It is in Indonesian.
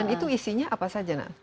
isinya apa saja nak